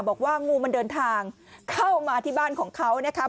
บอกว่างูมันเดินทางเข้ามาที่บ้านของเขานะครับ